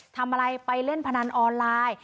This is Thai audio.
ทำอะไรไปเล่นพนันออนไลน์